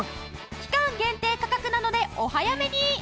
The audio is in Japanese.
期間限定価格なのでお早めに！